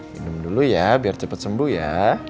minum dulu ya biar cepat sembuh ya